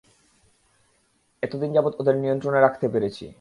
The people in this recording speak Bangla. এতদিন যাবত ওদের নিয়ন্ত্রণে রাখতে পেরেছি।